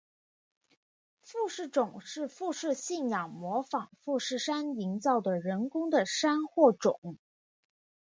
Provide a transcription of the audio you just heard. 富士冢是富士信仰模仿富士山营造的人工的山或冢。